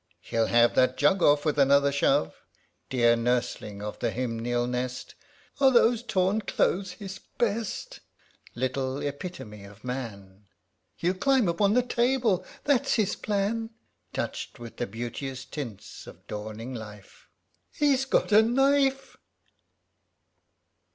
(He'll have that jug off, with another shove !) Dear nurseling of the hymeneal nest ! (Are those torn clothes his best T) Little epitome of man ! (Hell climb upon the table, that's his plan !) Touch'd with the beauteous tints of dawning life ŌĆö (He's got a knife